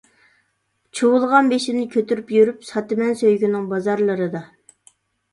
چۇۋۇلغان بېشىمنى كۆتۈرۈپ يۈرۈپ، ساتىمەن سۆيگۈنىڭ بازارلىرىدا.